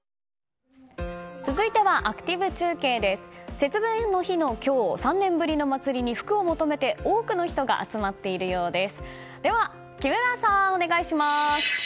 節分の日の今日３年ぶりの祭りに福を求めて多くの人が集まっているようです。